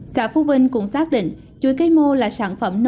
xã phú vinh cũng xác định chuối cây mô là sản phẩm đầy năng suất